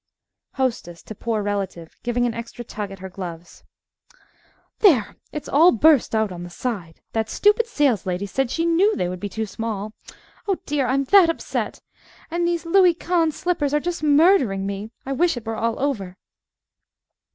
_) HOSTESS (to Poor Relative, giving an extra tug at her gloves) There, it's all burst out on the side! That stupid saleslady said she knew they would be too small. Oh, dear, I'm that upset! And these Louis Quinze slippers are just murdering me. I wish it were all over.